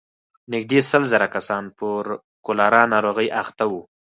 نږدې سل زره کسان پر کولرا ناروغۍ اخته وو.